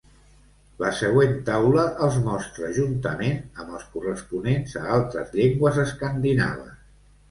La següent taula els mostra juntament amb els corresponents a altres llengües escandinaves.